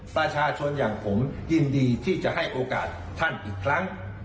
ประชาชนอย่างผมยินดีที่จะให้โอกาสท่านอีกครั้ง